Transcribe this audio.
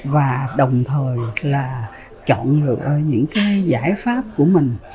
và đồng thời là chọn được những cái giải pháp của mình